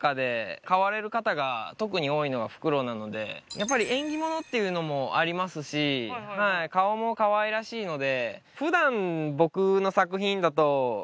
やっぱり縁起物っていうのもありますし顔もかわいらしいので。